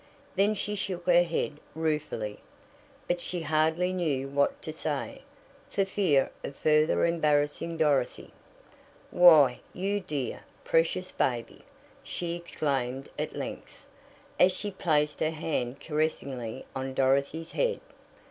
Then she shook her head ruefully, but she hardly knew what to say, for fear of further embarrassing Dorothy. "Why, you dear, precious baby!" she exclaimed at length, as she placed her hand caressingly on Dorothy's head.